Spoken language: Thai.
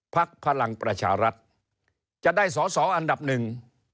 พลังประชารัฐจะได้สอสออันดับหนึ่ง